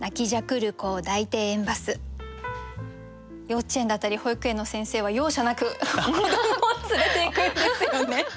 幼稚園だったり保育園の先生は容赦なく子どもを連れていくんですよね。